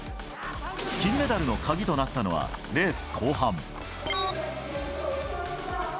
金メダルの鍵となったのはレース後半。